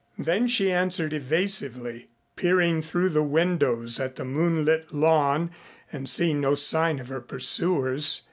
Then she answered evasively, peering through the windows at the moonlit lawn and seeing no sign of her pursuers.